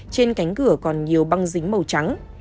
trên cánh cửa còn nhiều băng dính màu trắng